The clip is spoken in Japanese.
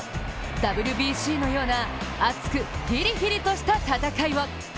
ＷＢＣのような熱く、ヒリヒリとした戦いを。